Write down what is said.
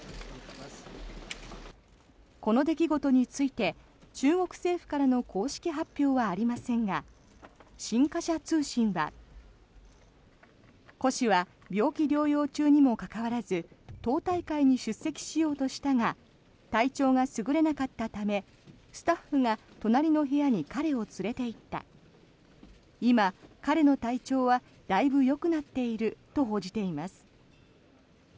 この出来事について中国政府からの公式発表はありませんが新華社通信は胡氏は病気療養中にもかかわらず党大会に出席しようとしたが体調が優れなかったためスタッフが隣の部屋に彼を連れていった今、彼の体調はだいぶよくなっていると報じています。